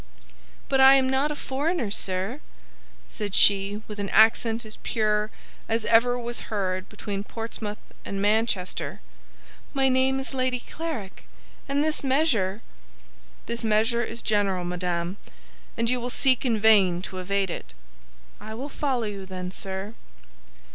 "But I am not a foreigner, sir," said she, with an accent as pure as ever was heard between Portsmouth and Manchester; "my name is Lady Clarik, and this measure—" "This measure is general, madame; and you will seek in vain to evade it." "I will follow you, then, sir."